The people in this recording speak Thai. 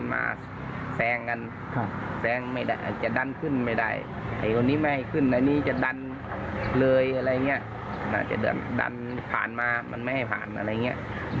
มันไม่ให้ผ่านอะไรอย่างนี้